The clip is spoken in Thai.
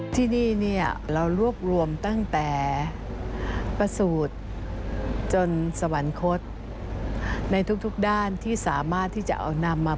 ที่นี่เนี่ยเรารวบรวมตั้งแต่ประสูจน์จนสวรรคตในทุกด้านที่สามารถที่จะเอานำมา